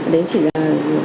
đấy chỉ là